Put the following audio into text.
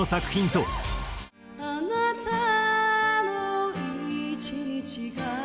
「あなたの一日が」